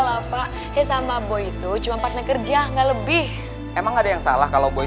tapi lo tuh sekarang dimana sih boy